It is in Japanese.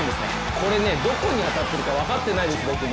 これ、どこに当たっているか分かってないんです、僕も。